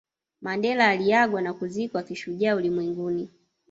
Mandela aliagwa na kuzikwa kishujaa ulimwenguni